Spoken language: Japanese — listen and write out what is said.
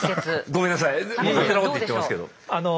ごめんなさい勝手なこと言ってますけど。